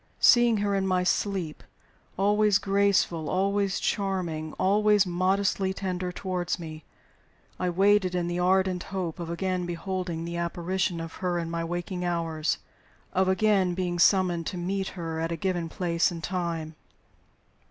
Seeing her in my sleep, always graceful, always charming, always modestly tender toward me, I waited in the ardent hope of again beholding the apparition of her in my waking hours of again being summoned to meet her at a given place and time.